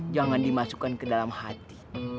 jangan dimasukkan ke dalam hati